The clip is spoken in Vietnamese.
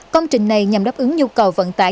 công trình này nhằm đáp ứng nhu cầu vận tải